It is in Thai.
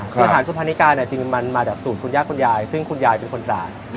คืออาหารซุภานิกาเนี่ยจริงมันมาแบบสูตรคุณย่าคุณยายซึ่งคุณยายเป็นคนตราด